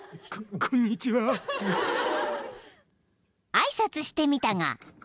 ［挨拶してみたが］